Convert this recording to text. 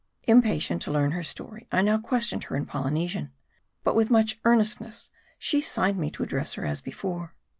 Impatient to learn her story, I now questioned her in Polynesian. But with much earnestness, she signed me to address her as before.